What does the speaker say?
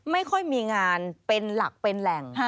ไม่ค่อยมีงานเป็นหลักเป็นแหล่ง